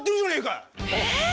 えっ？